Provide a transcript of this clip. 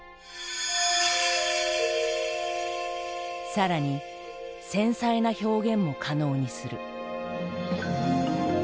更に繊細な表現も可能にする。